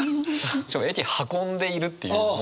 「駅へ運んでいる」っていう。